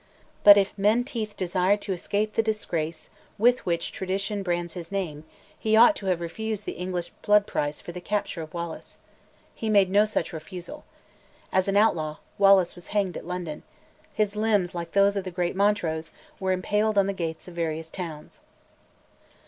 But, if Menteith desired to escape the disgrace with which tradition brands his name, he ought to have refused the English blood price for the capture of Wallace. He made no such refusal. As an outlaw, Wallace was hanged at London; his limbs, like those of the great Montrose, were impaled on the gates of various towns.